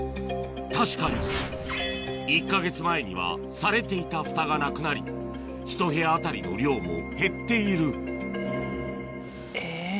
確かに１か月前にはされていた蓋がなくなり１部屋当たりの量も減っているえ？